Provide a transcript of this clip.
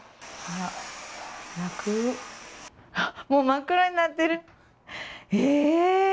楽、もう真っ黒になってる。